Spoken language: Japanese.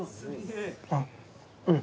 あっうん。